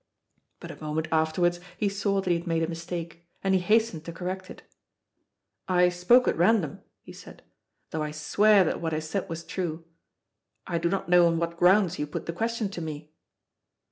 But a moment afterwards he saw that he had made a mistake, and he hastened to correct it. "I spoke at random," he said, "though I swear that what I said was true. I do not know on what grounds you put the question to me."